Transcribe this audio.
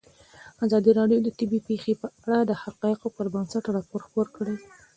ازادي راډیو د طبیعي پېښې په اړه د حقایقو پر بنسټ راپور خپور کړی.